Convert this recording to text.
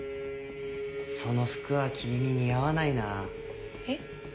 その服は君に似合わないなえっ？